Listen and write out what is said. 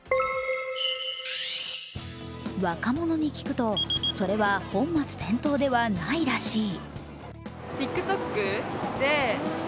若者に聞くと、それは本末転倒ではないらしい。